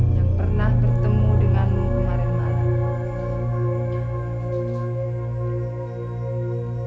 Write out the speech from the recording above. yang pernah bertemu denganmu kemarin malam